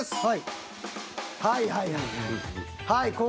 はいはいはい。